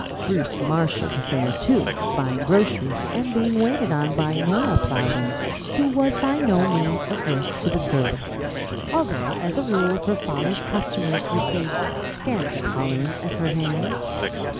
Bruce Marshall was there, too, buying groceries and being waited on by Nora Plowden, who was by no means averse to the service, although as a rule her father's customers received scanty tolerance at her hands.